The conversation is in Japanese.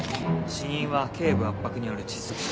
死因は頸部圧迫による窒息死。